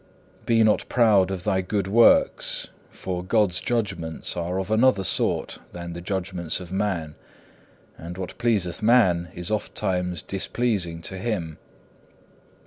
Be not proud of thy good works, for God's judgments are of another sort than the judgments of man, and what pleaseth man is ofttimes displeasing to Him.